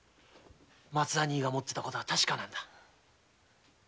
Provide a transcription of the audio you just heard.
松兄ぃが持っていたことは確かなんだ。